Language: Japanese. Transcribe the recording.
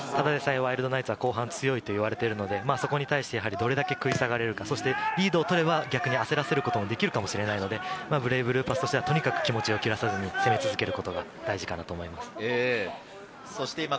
ただでさえワイルドナイツは後半強いって言われてるので、そこに対してどれだけ食い下がれるか、リードを取れば焦らせることもできるかもしれないので、ブレイブルーパスは気持ちを切らさずに攻め続けることが大事だと思います。